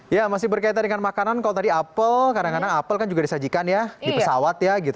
ya masih berkaitan dengan makanan kalau tadi apel kadang kadang apel kan juga disajikan ya di pesawat ya gitu